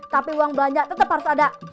tapi uang banyak tetep harus ada